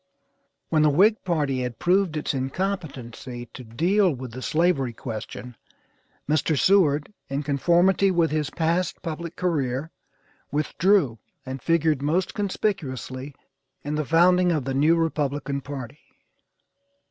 When the Whig party had proved its incompetency to deal with the slavery question, Mr. Seward, in conformity with his past public career, withdrew and figured most conspicuously in the founding of the new Republican party.